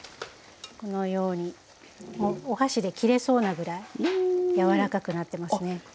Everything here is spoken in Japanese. このようにお箸で切れそうなぐらい柔らかくなってますね。